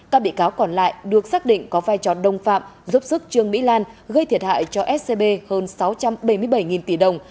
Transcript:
các bị cáo còn lại được xác định có vai trò đồng phạm giúp sức trương mỹ lan gây thiệt hại cho scb hơn sáu trăm bảy mươi bảy tỷ đồng